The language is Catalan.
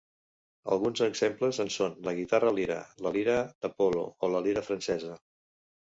Alguns exemples en són la guitarra-lira, la Lira d'Apol·lo o la Lira Francesa.